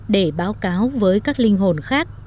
để báo cáo với các linh hồn khác